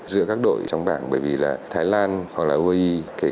giữa các đội trong bảng bởi vì là thái lan hoặc là u a